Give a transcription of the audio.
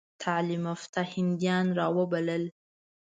تعلیم یافته هندیان را وبلل.